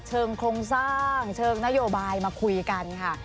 เชิงโครงสร้างเชิงนโยบายมาคุยกันค่ะ